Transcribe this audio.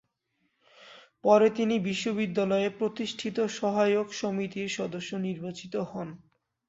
পরে তিনি বিশ্ববিদ্যালয়ে প্রতিষ্ঠিত সহায়ক সমিতির সদস্য নির্বাচিত হন।